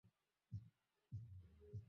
mila ya kitamaduni ni sawa na Kiajemi Katika